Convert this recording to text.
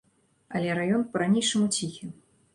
Але раён па-ранейшаму ціхі.